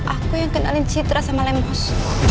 aku yang kenalin citra sama lembos